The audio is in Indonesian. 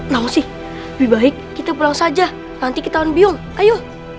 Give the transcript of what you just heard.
loh sih lebih baik kita pulang saja nanti kita on biong ayo